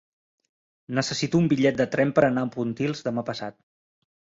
Necessito un bitllet de tren per anar a Pontils demà passat.